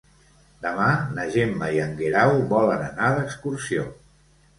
Demà na Gemma i en Guerau volen anar d'excursió.